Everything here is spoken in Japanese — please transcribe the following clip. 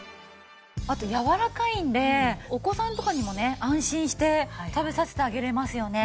あとやわらかいんでお子さんとかにもね安心して食べさせてあげれますよね。